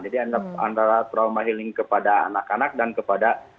antara trauma healing kepada anak anak dan kepada